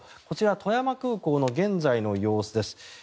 こちら、富山空港の現在の様子です。